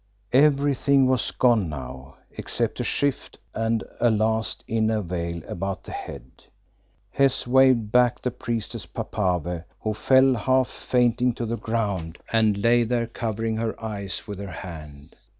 Everything was gone now, except a shift and a last inner veil about the head. Hes waved back the priestess Papave, who fell half fainting to the ground and lay there covering her eyes with her hand.